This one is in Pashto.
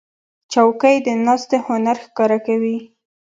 چوکۍ د ناستې هنر ښکاره کوي.